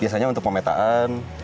biasanya untuk pemetaan